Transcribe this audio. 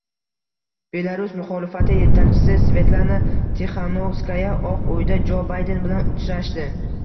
Belarus muxolifati yetakchisi Svetlana Tixanovskaya Oq uyda Jo Bayden bilan uchrashdi